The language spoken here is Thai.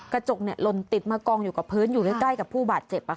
กระจกหล่นติดมากองอยู่กับพื้นอยู่ใกล้กับผู้บาดเจ็บ